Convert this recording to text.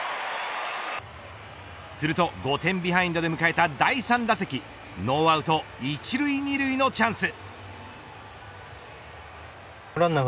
すると５点ビハインドで迎えた第３打席ノーアウト一塁二塁のチャンス。